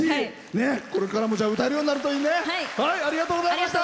これからも歌えるようになるといいね。